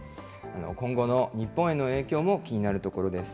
今後の日本への影響も気になるところです。